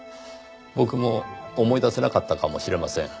僕も思い出せなかったかもしれません。